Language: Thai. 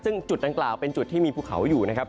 ซึ่งจุดดังกล่าวเป็นจุดที่มีภูเขาอยู่นะครับ